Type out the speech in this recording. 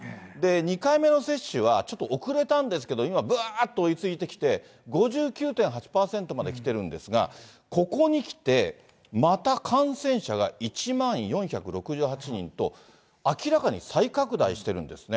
２回目の接種はちょっと遅れたんですけど、今、ぶわーっと追いついてきて、５９．８％まできてるんですが、ここにきて、また感染者が１万４６８人と、明らかに再拡大してるんですね。